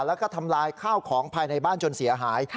แล้วก็ทำลายข้าวของภายในบ้านจนเสียหาย